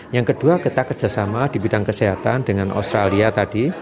yang kedua kita kerjasama di bidang kesehatan dengan australia tadi